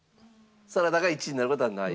サラダが１位になる事はない？